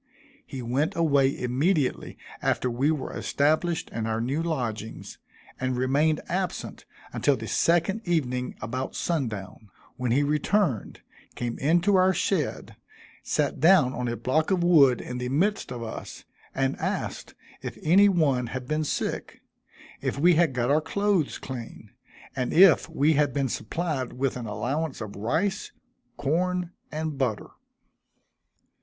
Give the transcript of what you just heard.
He went away immediately after we were established in our new lodgings, and remained absent until the second evening about sundown, when he returned, came into our shed, sat down on a block of wood in the midst of us, and asked if any one had been sick; if we had got our clothes clean; and if we had been supplied with an allowance of rice, corn and butter.